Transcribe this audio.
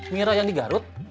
mira yang di garut